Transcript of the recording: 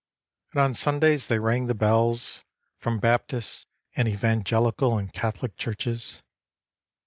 And on Sundays they rang the bells, From Baptist and Evangelical and Catholic churches.